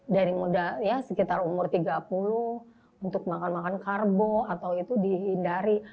dari muda sekitar umur tiga puluh untuk makan makan karbo atau itu dihindari